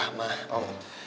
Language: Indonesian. eh pak ma om